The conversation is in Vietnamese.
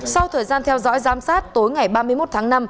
sau thời gian theo dõi giám sát tối ngày ba mươi một tháng năm